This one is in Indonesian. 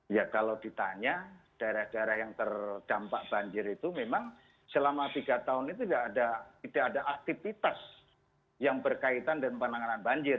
ya kalau ditanya daerah daerah yang terdampak banjir itu memang selama tiga tahun itu tidak ada aktivitas yang berkaitan dengan penanganan banjir